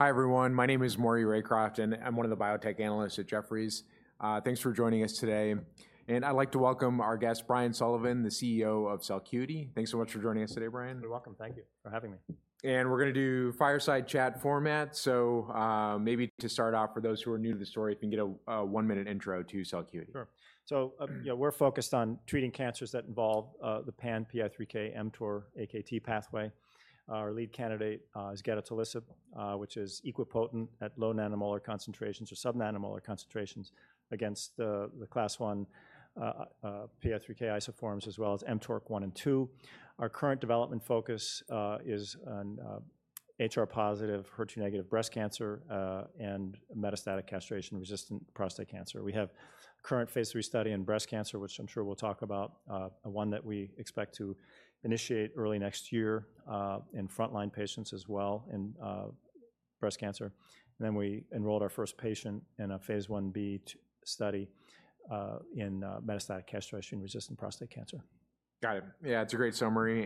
Hi, everyone. My name is Maury Raycroft, and I'm one of the biotech analysts at Jefferies. Thanks for joining us today. I'd like to welcome our guest, Brian Sullivan, the CEO of Celcuity. Thanks so much for joining us today, Brian. You're welcome. Thank you for having me. We're going to do fireside chat format. Maybe to start off, for those who are new to the story, if you can get a one-minute intro to Celcuity. Sure. So we're focused on treating cancers that involve the PAM/PI3K/AKT/mTOR pathway. Our lead candidate is gedatolisib, which is equally potent at low nanomolar concentrations or subnanomolar concentrations against the Class I PI3K isoforms, as well as mTORC1 and mTORC2. Our current development focus is on HR-positive, HER2-negative breast cancer and metastatic castration-resistant prostate cancer. We have a current Phase III study in breast cancer, which I'm sure we'll talk about, one that we expect to initiate early next year in frontline patients as well in breast cancer. And then we enrolled our first patient in a Phase Ib study in metastatic castration-resistant prostate cancer. Got it. Yeah, that's a great summary.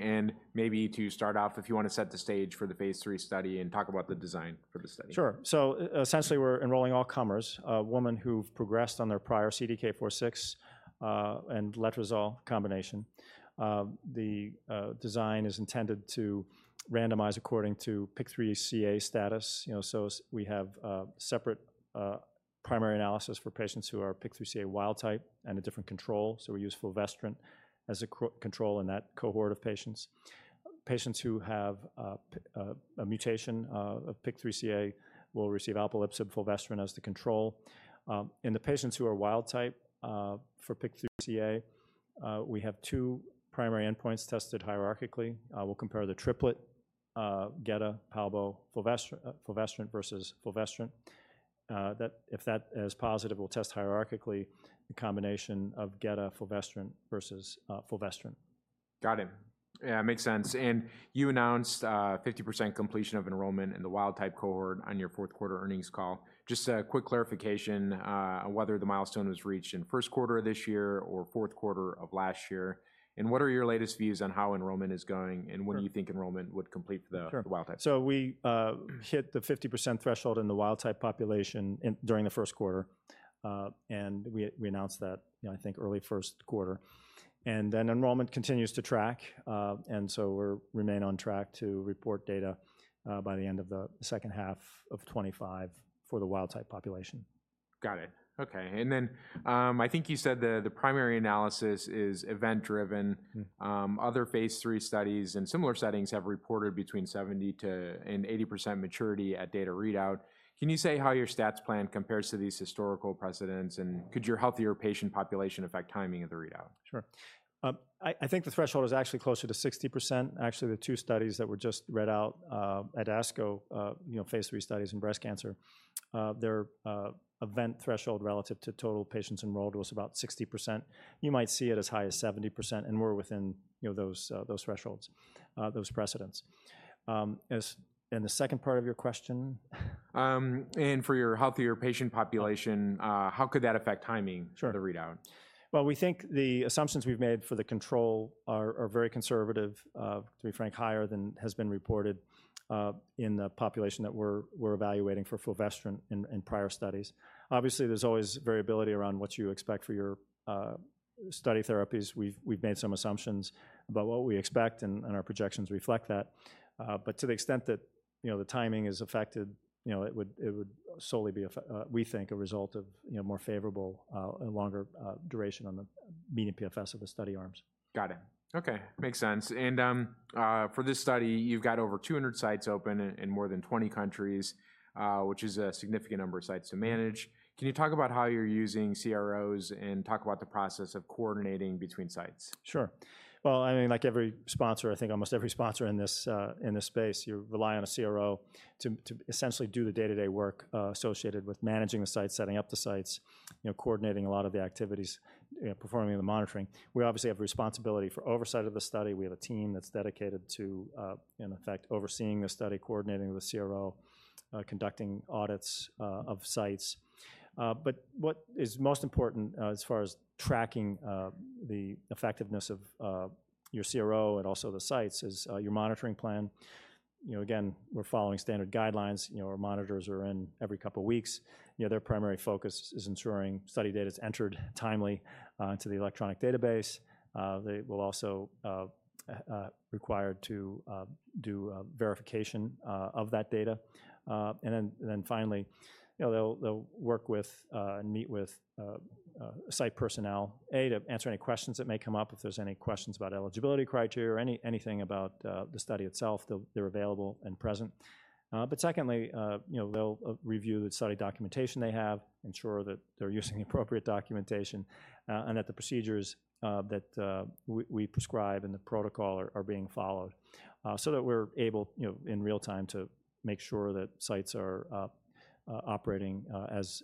Maybe to start off, if you want to set the stage for the Phase III study and talk about the design for the study. Sure. So essentially, we're enrolling all comers, women who've progressed on their prior CDK4/6 and letrozole combination. The design is intended to randomize according to PIK3CA status. So we have separate primary analysis for patients who are PIK3CA wild type and a different control. So we use fulvestrant as a control in that cohort of patients. Patients who have a mutation of PIK3CA will receive alpelisib fulvestrant as the control. In the patients who are wild type for PIK3CA, we have two primary endpoints tested hierarchically. We'll compare the triplet, gedatolisib, palbociclib, fulvestrant versus fulvestrant. If that is positive, we'll test hierarchically the combination of gedatolisib, fulvestrant versus fulvestrant. Got it. Yeah, it makes sense. You announced 50% completion of enrollment in the wild type cohort on your fourth quarter earnings call. Just a quick clarification on whether the milestone was reached in first quarter of this year or fourth quarter of last year. What are your latest views on how enrollment is going and when you think enrollment would complete the wild type? We hit the 50% threshold in the wild type population during the first quarter. We announced that, I think, early first quarter. Then enrollment continues to track. So we remain on track to report data by the end of the second half of 2025 for the wild type population. Got it. OK. And then I think you said the primary analysis is event-driven. Other Phase III studies in similar settings have reported between 70% and 80% maturity at data readout. Can you say how your stats plan compares to these historical precedents? And could your healthier patient population affect timing of the readout? Sure. I think the threshold is actually closer to 60%. Actually, the two studies that were just read out at ASCO, Phase III studies in breast cancer, their event threshold relative to total patients enrolled was about 60%. You might see it as high as 70%. And we're within those thresholds, those precedents. And the second part of your question? For your healthier patient population, how could that affect timing of the readout? Well, we think the assumptions we've made for the control are very conservative, to be frank, higher than has been reported in the population that we're evaluating for fulvestrant in prior studies. Obviously, there's always variability around what you expect for your study therapies. We've made some assumptions about what we expect, and our projections reflect that. But to the extent that the timing is affected, it would solely be, we think, a result of more favorable and longer duration on the median PFS of the study arms. Got it. OK, makes sense. And for this study, you've got over 200 sites open in more than 20 countries, which is a significant number of sites to manage. Can you talk about how you're using CROs and talk about the process of coordinating between sites? Sure. Well, I mean, like every sponsor, I think almost every sponsor in this space, you rely on a CRO to essentially do the day-to-day work associated with managing the sites, setting up the sites, coordinating a lot of the activities, performing the monitoring. We obviously have responsibility for oversight of the study. We have a team that's dedicated to, in effect, overseeing the study, coordinating with the CRO, conducting audits of sites. But what is most important as far as tracking the effectiveness of your CRO and also the sites is your monitoring plan. Again, we're following standard guidelines. Our monitors are in every couple of weeks. Their primary focus is ensuring study data is entered timely into the electronic database. They will also be required to do verification of that data. Then finally, they'll work with and meet with site personnel, A, to answer any questions that may come up. If there's any questions about eligibility criteria or anything about the study itself, they're available and present. Secondly, they'll review the study documentation they have, ensure that they're using the appropriate documentation, and that the procedures that we prescribe and the protocol are being followed so that we're able in real time to make sure that sites are operating as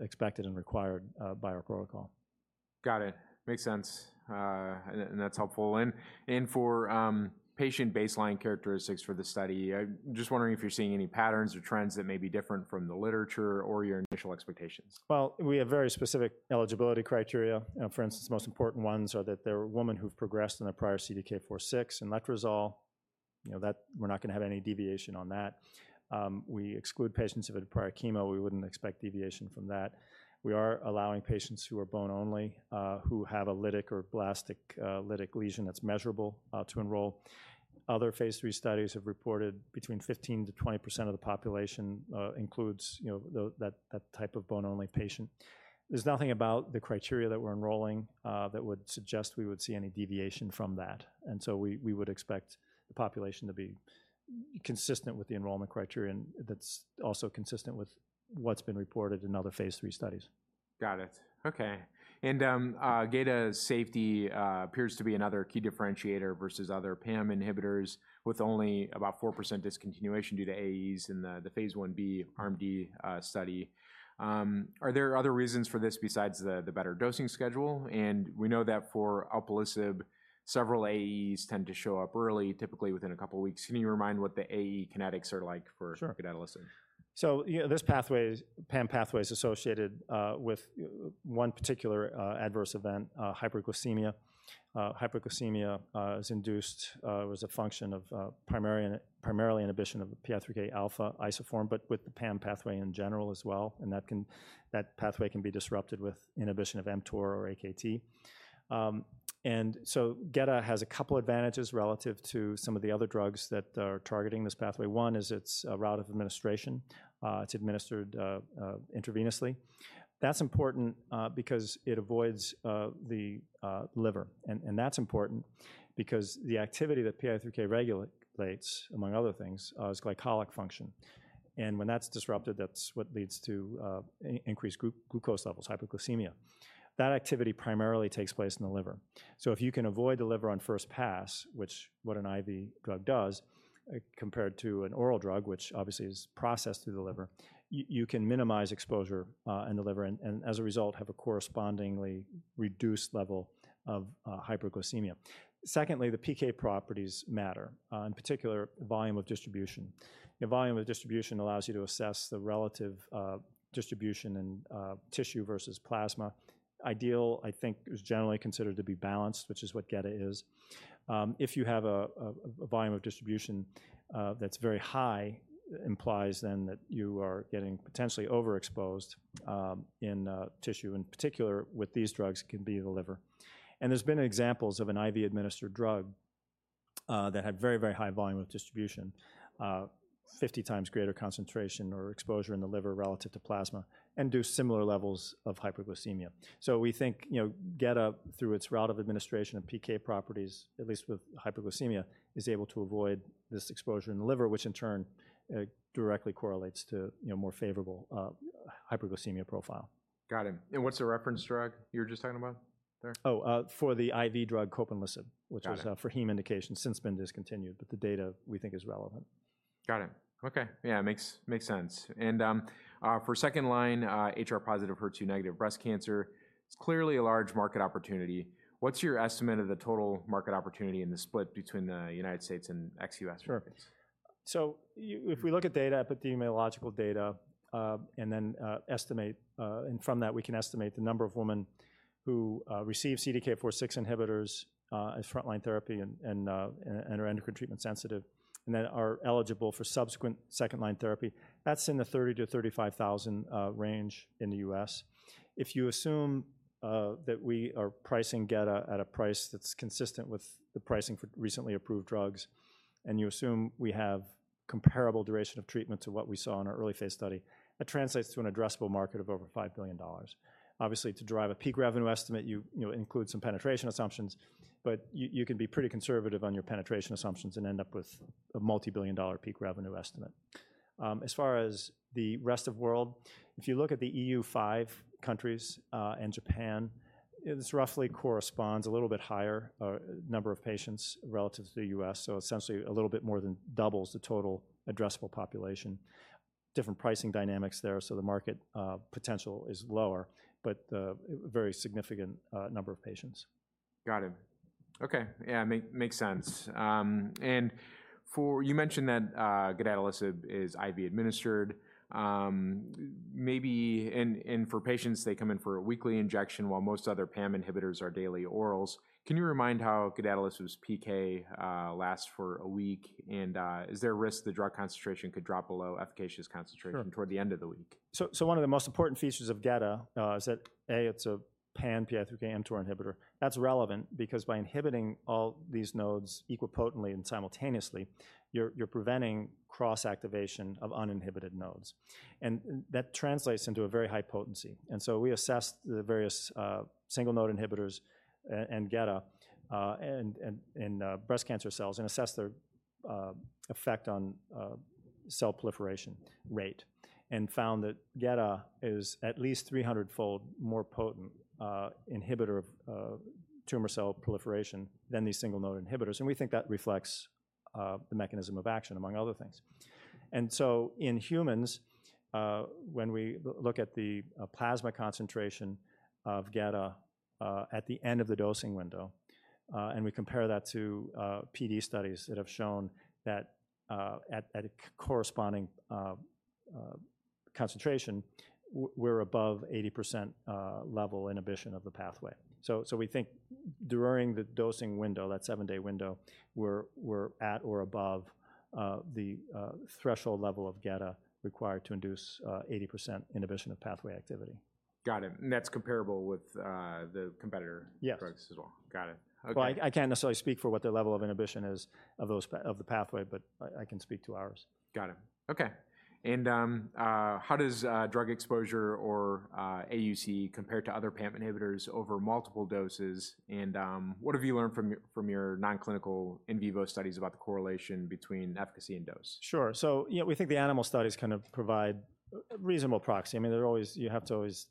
expected and required by our protocol. Got it. Makes sense. That's helpful. For patient baseline characteristics for the study, I'm just wondering if you're seeing any patterns or trends that may be different from the literature or your initial expectations. Well, we have very specific eligibility criteria. For instance, the most important ones are that they're women who've progressed in their prior CDK4/6 and letrozole. We're not going to have any deviation on that. We exclude patients who have had prior chemo. We wouldn't expect deviation from that. We are allowing patients who are bone-only who have a lytic or blastic lytic lesion that's measurable to enroll. Other Phase III studies have reported between 15%-20% of the population includes that type of bone-only patient. There's nothing about the criteria that we're enrolling that would suggest we would see any deviation from that. And so we would expect the population to be consistent with the enrollment criteria and that's also consistent with what's been reported in other Phase III studies. Got it. OK. In the geda safety appears to be another key differentiator versus other PAM inhibitors with only about 4% discontinuation due to AEs in the Phase 1B Arm D study. Are there other reasons for this besides the better dosing schedule? We know that for alpelisib, several AEs tend to show up early, typically within a couple of weeks. Can you remind what the AE kinetics are like for geda? Sure. So this pathway, PAM pathway, is associated with one particular adverse event, hyperglycemia. Hyperglycemia is induced as a function of primarily inhibition of PI3K alpha isoform, but with the PAM pathway in general as well. And that pathway can be disrupted with inhibition of mTOR or AKT. And so geda has a couple of advantages relative to some of the other drugs that are targeting this pathway. One is its route of administration. It's administered intravenously. That's important because it avoids the liver. And that's important because the activity that PI3K regulates, among other things, is gluconeogenic function. And when that's disrupted, that's what leads to increased glucose levels, hyperglycemia. That activity primarily takes place in the liver. So if you can avoid the liver on first pass, which what an IV drug does compared to an oral drug, which obviously is processed through the liver, you can minimize exposure in the liver and, as a result, have a correspondingly reduced level of hyperglycemia. Secondly, the PK properties matter, in particular, volume of distribution. Volume of distribution allows you to assess the relative distribution in tissue versus plasma. Ideal, I think, is generally considered to be balanced, which is what geda is. If you have a volume of distribution that's very high, it implies then that you are getting potentially overexposed in tissue. In particular, with these drugs, it can be the liver. And there's been examples of an IV-administered drug that had very, very high volume of distribution, 50 times greater concentration or exposure in the liver relative to plasma, and do similar levels of hyperglycemia. So we think gedatolisib through its route of administration of PK properties, at least with hyperglycemia, is able to avoid this exposure in the liver, which in turn directly correlates to a more favorable hyperglycemia profile. Got it. And what's the reference drug you were just talking about there? Oh, for the IV drug, copanlisib, which was for heme indication, since been discontinued, but the data we think is relevant. Got it. OK. Yeah, makes sense. For second line, HR-positive, HER2-negative breast cancer, it's clearly a large market opportunity. What's your estimate of the total market opportunity in the split between the United States and ex-US markets? Sure. So if we look at data, epidemiological data, and then estimate, and from that, we can estimate the number of women who receive CDK4/6 inhibitors as frontline therapy and are endocrine treatment sensitive and then are eligible for subsequent second-line therapy, that's in the 30,000-35,000 range in the U.S. If you assume that we are pricing geda at a price that's consistent with the pricing for recently approved drugs, and you assume we have comparable duration of treatment to what we saw in our early Phase study, that translates to an addressable market of over $5 billion. Obviously, to drive a peak revenue estimate, you include some penetration assumptions. But you can be pretty conservative on your penetration assumptions and end up with a multi-billion dollar peak revenue estimate. As far as the rest of the world, if you look at the EU5 countries and Japan, this roughly corresponds a little bit higher number of patients relative to the U.S. So essentially, a little bit more than doubles the total addressable population. Different pricing dynamics there, so the market potential is lower, but a very significant number of patients. Got it. OK. Yeah, makes sense. And you mentioned that geda is IV administered. And for patients, they come in for a weekly injection while most other PAM inhibitors are daily orals. Can you remind how geda's PK lasts for a week? And is there a risk the drug concentration could drop below efficacious concentration toward the end of the week? So one of the most important features of geda is that, A, it's a PAM, PI3K, mTOR inhibitor. That's relevant because by inhibiting all these nodes equal potently and simultaneously, you're preventing cross-activation of uninhibited nodes. And that translates into a very high potency. And so we assess the various single-node inhibitors and geda in breast cancer cells and assess their effect on cell proliferation rate and found that geda is at least 300-fold more potent inhibitor of tumor cell proliferation than these single-node inhibitors. And we think that reflects the mechanism of action, among other things. And so in humans, when we look at the plasma concentration of geda at the end of the dosing window, and we compare that to PD studies that have shown that at a corresponding concentration, we're above 80% level inhibition of the pathway. We think during the dosing window, that 7-day window, we're at or above the threshold level of geda required to induce 80% inhibition of pathway activity. Got it. And that's comparable with the competitor drugs as well. Yes. Got it. Well, I can't necessarily speak for what the level of inhibition is of the pathway, but I can speak to ours. Got it. OK. And how does drug exposure or AUC compare to other PAM inhibitors over multiple doses? And what have you learned from your non-clinical in vivo studies about the correlation between efficacy and dose? Sure. So we think the animal studies kind of provide reasonable proxy. I mean, you have to always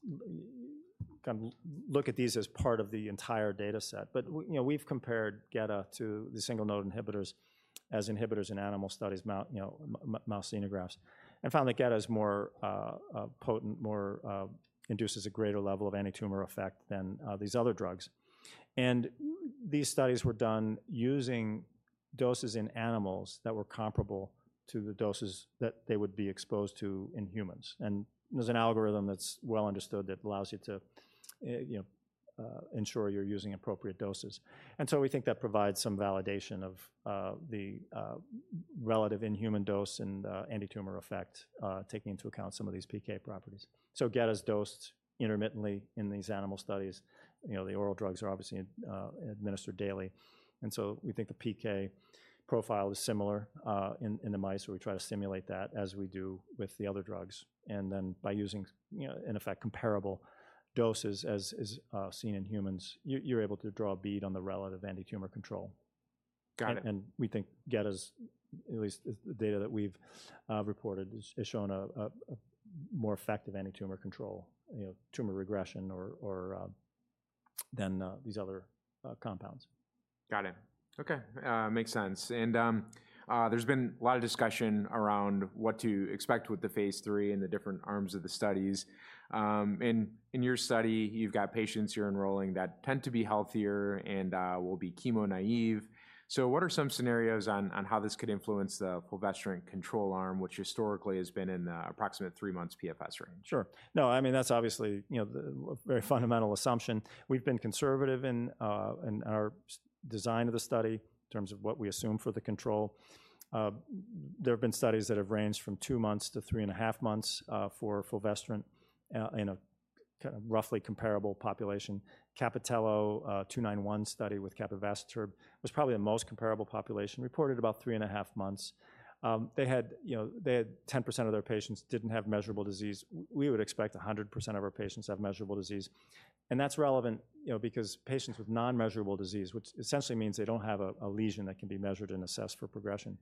kind of look at these as part of the entire data set. But we've compared geda to the single-node inhibitors as inhibitors in animal studies, mouse xenografts, and found that geda is more potent, more induces a greater level of antitumor effect than these other drugs. And these studies were done using doses in animals that were comparable to the doses that they would be exposed to in humans. And there's an algorithm that's well understood that allows you to ensure you're using appropriate doses. And so we think that provides some validation of the relative in-human dose and antitumor effect, taking into account some of these PK properties. So geda is dosed intermittently in these animal studies. The oral drugs are obviously administered daily. And so we think the PK profile is similar in the mice, where we try to simulate that as we do with the other drugs. And then by using, in effect, comparable doses as seen in humans, you're able to draw a bead on the relative antitumor control. Got it. We think gedatolisib is, at least the data that we've reported, has shown a more effective antitumor control, tumor regression, than these other compounds. Got it. OK. Makes sense. There's been a lot of discussion around what to expect with the Phase III and the different arms of the studies. In your study, you've got patients you're enrolling that tend to be healthier and will be chemo naive. What are some scenarios on how this could influence the fulvestrant control arm, which historically has been in the approximate 3-month PFS range? Sure. No, I mean, that's obviously a very fundamental assumption. We've been conservative in our design of the study in terms of what we assume for the control. There have been studies that have ranged from 2 months to 3.5 months for fulvestrant in a roughly comparable population. CAPItello-291 study with capivasertib was probably the most comparable population, reported about 3.5 months. They had 10% of their patients didn't have measurable disease. We would expect 100% of our patients have measurable disease. And that's relevant because patients with non-measurable disease, which essentially means they don't have a lesion that can be measured and assessed for progression,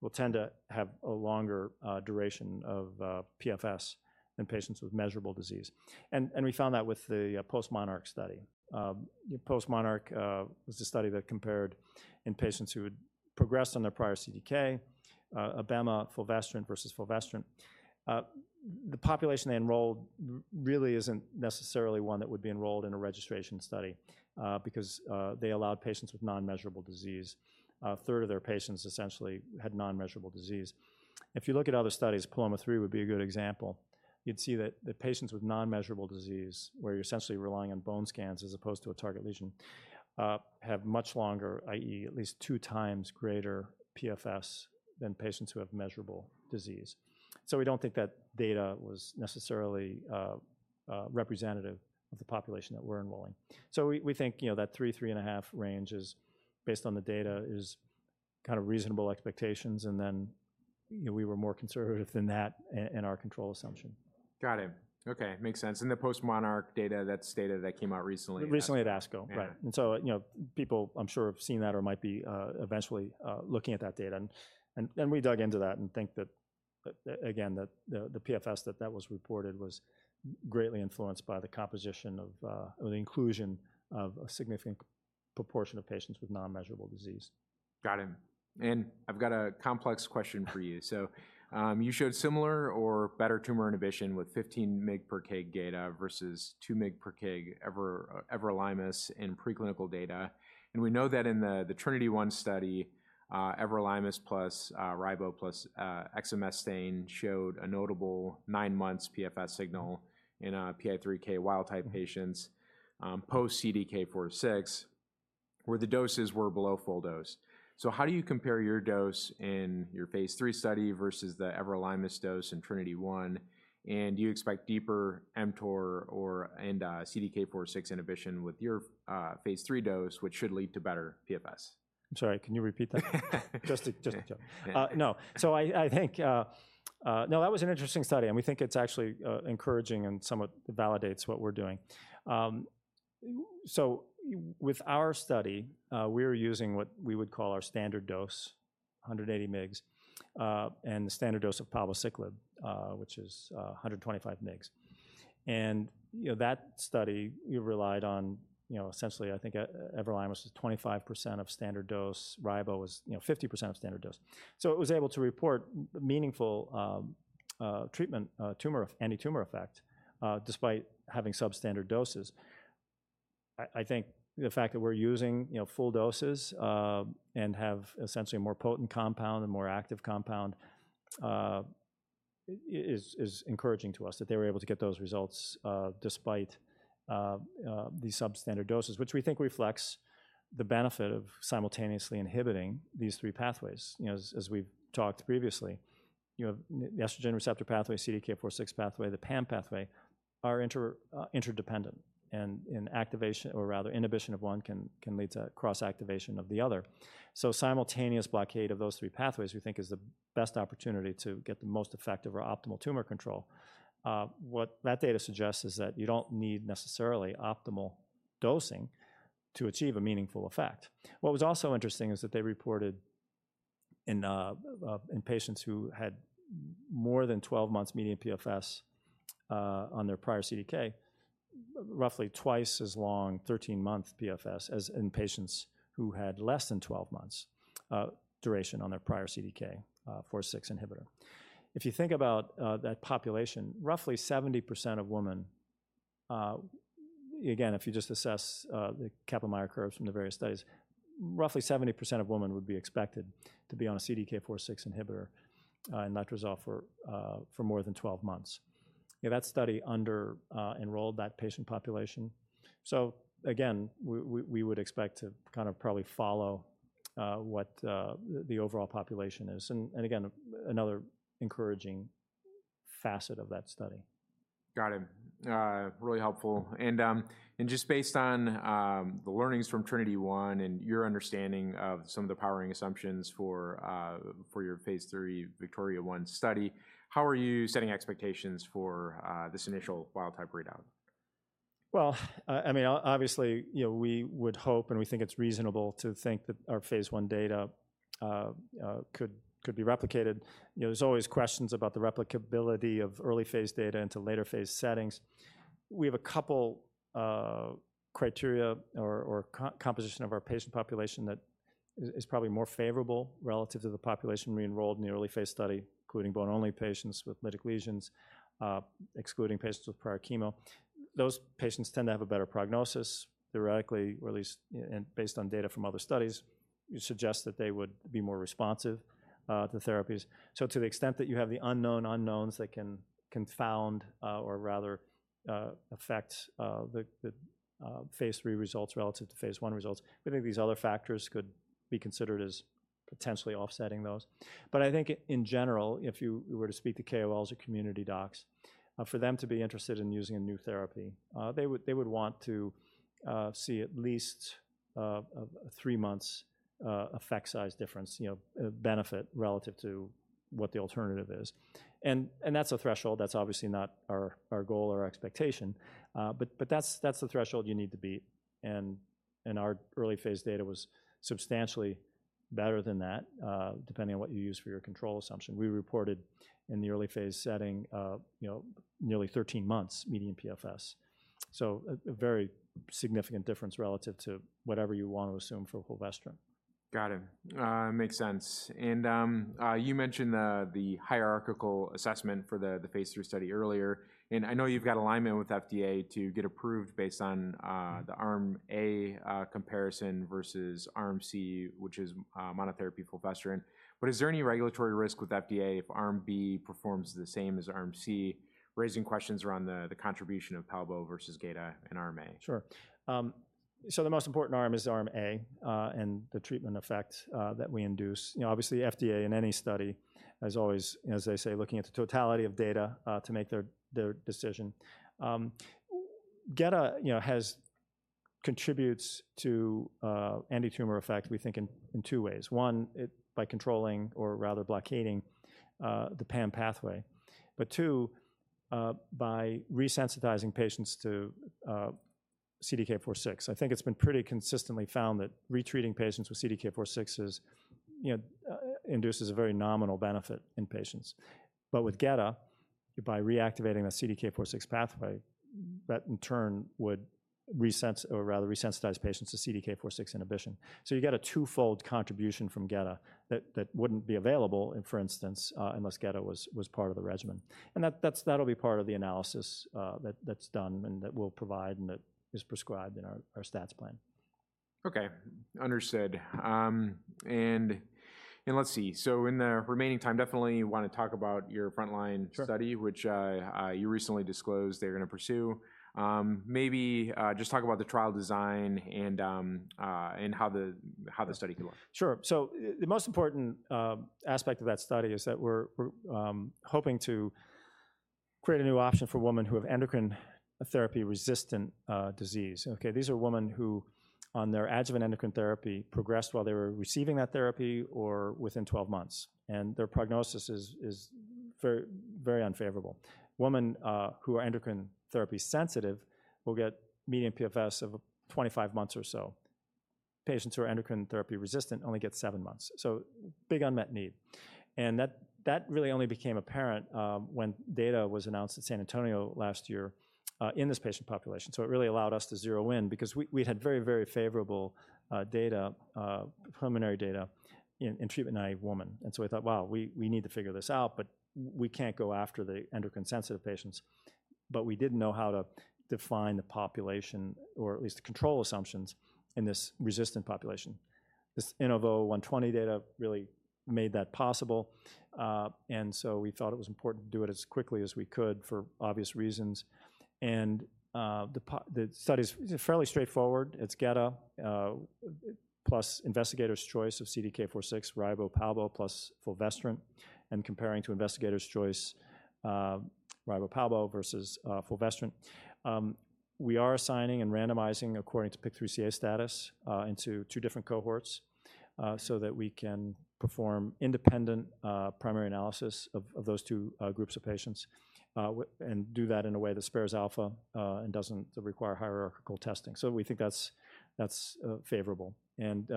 will tend to have a longer duration of PFS than patients with measurable disease. And we found that with the postMONARCH study. PostMONARCH was the study that compared in patients who had progressed on their prior CDK, abemaciclib, fulvestrant versus fulvestrant. The population they enrolled really isn't necessarily one that would be enrolled in a registration study because they allowed patients with non-measurable disease. A third of their patients essentially had non-measurable disease. If you look at other studies, PALOMA-3 would be a good example. You'd see that the patients with non-measurable disease, where you're essentially relying on bone scans as opposed to a target lesion, have much longer, i.e., at least 2 times greater PFS than patients who have measurable disease. So we don't think that data was necessarily representative of the population that we're enrolling. So we think that 3-3.5 range, based on the data, is kind of reasonable expectations. And then we were more conservative than that in our control assumption. Got it. OK. Makes sense. And the postMONARCH data, that's data that came out recently. Recently at ASCO. Right. And so people, I'm sure, have seen that or might be eventually looking at that data. And we dug into that and think that, again, the PFS that was reported was greatly influenced by the composition of the inclusion of a significant proportion of patients with non-measurable disease. Got it. And I've got a complex question for you. So you showed similar or better tumor inhibition with 15 mg/kg geda versus 2 mg/kg everolimus in preclinical data. And we know that in the TRINITI-1 study, everolimus plus ribo plus exemestane showed a notable 9-month PFS signal in PI3K wild-type patients post-CDK4/6, where the doses were below full dose. So how do you compare your dose in your Phase III study versus the everolimus dose in TRINITI-1? And do you expect deeper mTOR and CDK4/6 inhibition with your Phase III dose, which should lead to better PFS? I'm sorry. Can you repeat that? Just a joke. No. So I think, no, that was an interesting study. And we think it's actually encouraging and somewhat validates what we're doing. So with our study, we were using what we would call our standard dose, 180 mg, and the standard dose of palbociclib, which is 125 mg. And that study, you relied on essentially, I think everolimus was 25% of standard dose. Ribo was 50% of standard dose. So it was able to report meaningful treatment, antitumor effect, despite having substandard doses. I think the fact that we're using full doses and have essentially a more potent compound and more active compound is encouraging to us that they were able to get those results despite these substandard doses, which we think reflects the benefit of simultaneously inhibiting these three pathways. As we've talked previously, the estrogen receptor pathway, CDK4/6 pathway, the PAM pathway are interdependent. And in activation, or rather inhibition of one, can lead to cross-activation of the other. So simultaneous blockade of those three pathways, we think, is the best opportunity to get the most effective or optimal tumor control. What that data suggests is that you don't need necessarily optimal dosing to achieve a meaningful effect. What was also interesting is that they reported in patients who had more than 12 months median PFS on their prior CDK, roughly twice as long 13-month PFS as in patients who had less than 12 months duration on their prior CDK4/6 inhibitor. If you think about that population, roughly 70% of women, again, if you just assess the Kaplan-Meier curves from the various studies, roughly 70% of women would be expected to be on a CDK4/6 inhibitor and letrozole for more than 12 months. That study under-enrolled that patient population. So again, we would expect to kind of probably follow what the overall population is. And again, another encouraging facet of that study. Got it. Really helpful. Just based on the learnings from TRINITI-1 and your understanding of some of the powering assumptions for your Phase III VIKTORIA-1 study, how are you setting expectations for this initial wild-type readout? Well, I mean, obviously, we would hope and we think it's reasonable to think that our Phase I data could be replicated. There's always questions about the replicability of early Phase data into later Phase settings. We have a couple criteria or composition of our patient population that is probably more favorable relative to the population re-enrolled in the early Phase study, including bone-only patients with lytic lesions, excluding patients with prior chemo. Those patients tend to have a better prognosis, theoretically, or at least based on data from other studies suggest that they would be more responsive to therapies. So to the extent that you have the unknown unknowns that can confound or rather affect the Phase III results relative to Phase I results, we think these other factors could be considered as potentially offsetting those. But I think in general, if you were to speak to KOLs or community docs, for them to be interested in using a new therapy, they would want to see at least a 3-month effect size difference benefit relative to what the alternative is. And that's a threshold. That's obviously not our goal or our expectation. But that's the threshold you need to beat. And our early Phase data was substantially better than that, depending on what you use for your control assumption. We reported in the early Phase setting nearly 13 months median PFS. So a very significant difference relative to whatever you want to assume for fulvestrant. Got it. Makes sense. I know you've got alignment with FDA to get approved based on the Arm A comparison versus Arm C, which is monotherapy fulvestrant. But is there any regulatory risk with FDA if Arm B performs the same as Arm C, raising questions around the contribution of palbo versus geda in Arm A? Sure. So the most important arm is Arm A and the treatment effect that we induce. Obviously, the FDA in any study is always, as they say, looking at the totality of data to make their decision. geda contributes to the antitumor effect, we think, in two ways. One, by controlling or rather blockading the PAM pathway. But two, by resensitizing patients to CDK4/6. I think it's been pretty consistently found that retreating patients with CDK4/6 induces a very nominal benefit in patients. But with geda, by reactivating the CDK4/6 pathway, that in turn would resensitize patients to CDK4/6 inhibition. So you get a twofold contribution from geda that wouldn't be available, for instance, unless geda was part of the regimen. And that'll be part of the analysis that's done and that we'll provide and that is prescribed in our stats plan. OK. Understood. And let's see. So in the remaining time, definitely want to talk about your frontline study, which you recently disclosed they're going to pursue. Maybe just talk about the trial design and how the study could look. Sure. So the most important aspect of that study is that we're hoping to create a new option for women who have endocrine therapy resistant disease. These are women who, on their adjuvant endocrine therapy, progressed while they were receiving that therapy or within 12 months. And their prognosis is very unfavorable. Women who are endocrine therapy sensitive will get median PFS of 25 months or so. Patients who are endocrine therapy resistant only get 7 months. So big unmet need. And that really only became apparent when data was announced at San Antonio last year in this patient population. So it really allowed us to zero in because we had very, very favorable data, preliminary data in treatment naive women. And so we thought, wow, we need to figure this out. But we can't go after the endocrine sensitive patients. But we didn't know how to define the population or at least the control assumptions in this resistant population. This INAVO120 data really made that possible. And so we thought it was important to do it as quickly as we could for obvious reasons. And the study is fairly straightforward. It's geda plus investigator's choice of CDK4/6, ribo, palbo, plus fulvestrant, and comparing to investigator's choice, ribo, palbo versus fulvestrant. We are assigning and randomizing according to PIK3CA status into two different cohorts so that we can perform independent primary analysis of those two groups of patients and do that in a way that spares alpha and doesn't require hierarchical testing. So we think that's favorable. And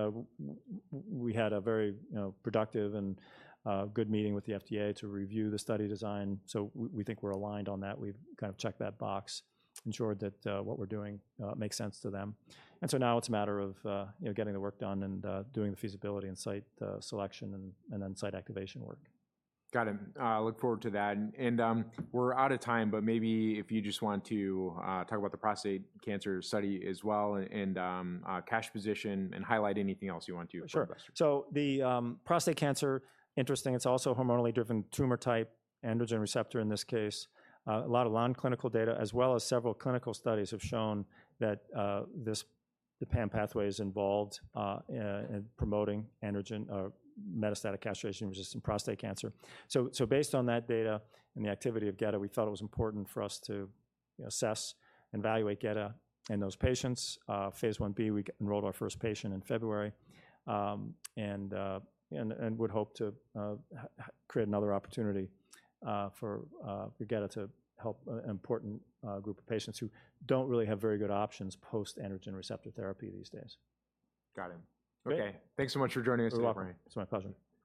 we had a very productive and good meeting with the FDA to review the study design. So we think we're aligned on that. We've kind of checked that box, ensured that what we're doing makes sense to them. And so now it's a matter of getting the work done and doing the feasibility and site selection and then site activation work. Got it. I look forward to that. And we're out of time. But maybe if you just want to talk about the prostate cancer study as well, and cash position, and highlight anything else you want to. Sure. So the prostate cancer, interesting. It's also a hormonally driven tumor type, androgen receptor in this case. A lot of nonclinical data, as well as several clinical studies, have shown that the PAM pathway is involved in promoting androgen metastatic castration-resistant prostate cancer. So based on that data and the activity of geda, we thought it was important for us to assess and evaluate geda in those patients. Phase 1B, we enrolled our first patient in February and would hope to create another opportunity for geda to help an important group of patients who don't really have very good options post-androgen receptor therapy these days. Got it. OK. Thanks so much for joining us today, Brian. It's my pleasure.